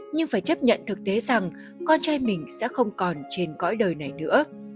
nhưng phải chấp nhận thực tế rằng con trai mình sẽ không còn trên cõi đời này nữa